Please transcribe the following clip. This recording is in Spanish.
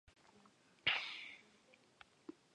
Edición conmemorativa del centenario de su nacimiento.